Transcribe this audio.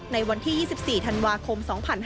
ในวันที่๒๔ธันวาคม๒๕๕๙